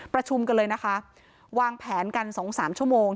ประชุมกันเลยนะคะวางแผนกันสองสามชั่วโมง